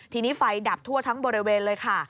ทีนี้ไฟดับทั่วทั้งบริเวณเลยค่ะ